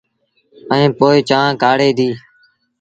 ائيٚݩ پو چآنه ڪآڙيٚن ديٚݩ۔